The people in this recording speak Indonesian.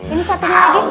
ini satu lagi